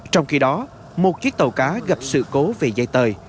trong khi đó một chiếc tàu cá gặp sự cố về dây tờ